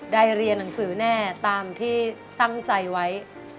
ได้เรียนหนังสือแน่ตามที่ตั้งใจไว้